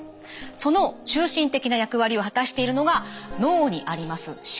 その中心的な役割を果たしているのが脳にあります視